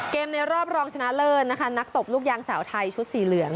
ในรอบรองชนะเลิศนะคะนักตบลูกยางสาวไทยชุดสีเหลือง